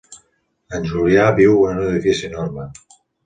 En Julià viu en un edifici enorme.